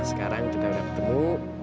sekarang kita udah ketemu